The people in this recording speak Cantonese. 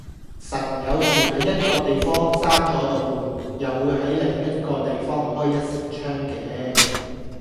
神有時喺一個地方閂左度門，又會喺另一個地方開一扇窗嘅